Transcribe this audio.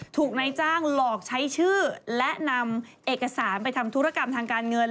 ถูกนายจ้างหลอกใช้ชื่อและนำเอกสารไปทำธุรกรรมทางการเงิน